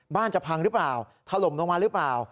จะพังหรือเปล่าถล่มลงมาหรือเปล่า